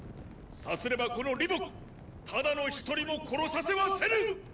さすればこの李牧ただの一人も殺させはせぬ！